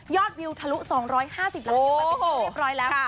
ยอดวิวทะลุ๒๕๐ละเป็นที่เรียบร้อยแล้ว